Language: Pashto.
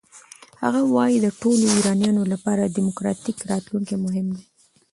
هغه وايي د ټولو ایرانیانو لپاره دموکراتیک راتلونکی مهم دی.